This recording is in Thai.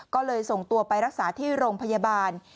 ก็เลยส่งตัวไปรักษาที่โรงพยาบาล